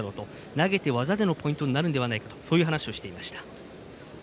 投げて技のポイントになるだろうという話をしていました。